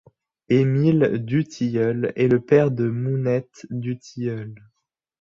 Émile Dutilleul est le père de Mounette Dutilleul.